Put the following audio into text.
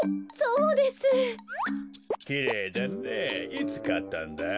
いつかったんだい？